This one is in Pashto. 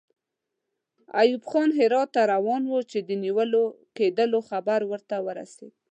ایوب خان هرات ته روان وو چې د نیول کېدلو خبر ورته ورسېد.